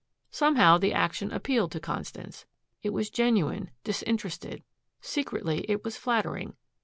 Somehow the action appealed to Constance. It was genuine, disinterested. Secretly, it was flattering.